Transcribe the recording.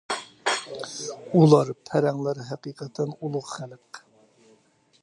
ئۇلار — پەرەڭلەر ھەقىقەتەن ئۇلۇغ خەلق.